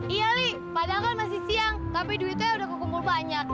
iya li padahal kan masih siang tapi duitnya udah kekumpul banyak